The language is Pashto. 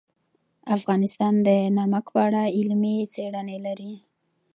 افغانستان د نمک په اړه علمي څېړنې لري.